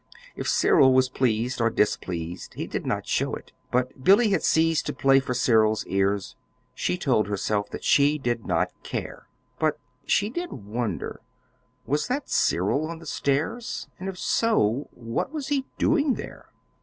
If Cyril was pleased or displeased, he did not show it but Billy had ceased to play for Cyril's ears. She told herself that she did not care; but she did wonder: was that Cyril on the stairs, and if so what was he doing there?